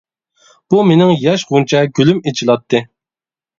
بۇ مىنىڭ ياش غۇنچە گۈلۈم ئېچىلاتتى.